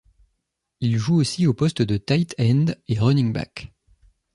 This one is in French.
Il joue aussi au poste de tight end et running back.